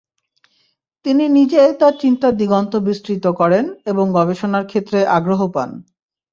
তিনি নিজে তাঁর চিন্তার দিগন্ত বিস্তৃত করেন এবং গবেষণার ক্ষেত্রে আগ্রহ পান।